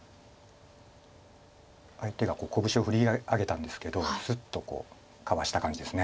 相手がこぶしを振り上げたんですけどスッとこうかわした感じです。